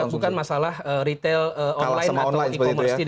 bukan masalah retail online atau e commerce